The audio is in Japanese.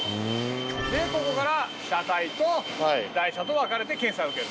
でここから車体と台車と分かれて検査を受ける。